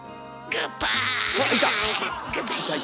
グッバイ。